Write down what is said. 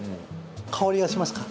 香りがしますか？